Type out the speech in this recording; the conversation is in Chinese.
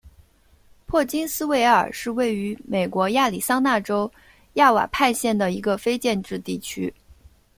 珀金斯维尔是位于美国亚利桑那州亚瓦派县的一个非建制地区。